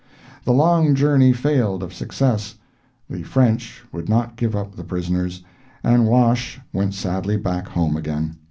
The long journey failed of success; the French would not give up the prisoners, and Wash went sadly back home again.